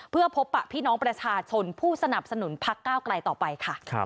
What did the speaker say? เพื่อพบปะพี่น้องประชาชนผู้สนับสนุนพักก้าวไกลต่อไปค่ะ